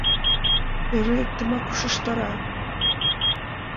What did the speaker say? Эре иктымак ушештара: